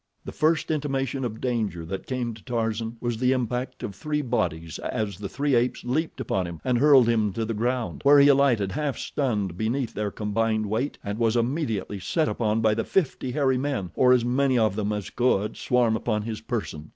The first intimation of danger that came to Tarzan was the impact of three bodies as the three apes leaped upon him and hurled him to the ground, where he alighted half stunned beneath their combined weight and was immediately set upon by the fifty hairy men or as many of them as could swarm upon his person.